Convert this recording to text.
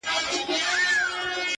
• دا څنګه چل دی د ژړا او د خندا لوري.